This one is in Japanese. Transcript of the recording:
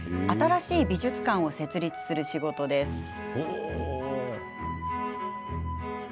新しい美術館を設立する仕事です。